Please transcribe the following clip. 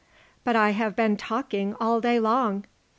_ But I have been talking all day long!"